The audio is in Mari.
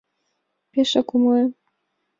Пешак умылем...